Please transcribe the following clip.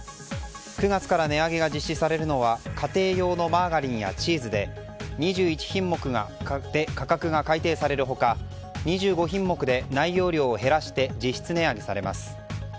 ９月から値上げが実施されるのは家庭用のマーガリンやチーズで２１品目の価格が改定される他２５品目で内容量を減らして実質値上げされます。